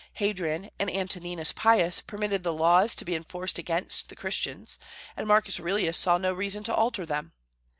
Hadrian and Antoninus Pius permitted the laws to be enforced against the Christians, and Marcus Aurelius saw no reason to alter them.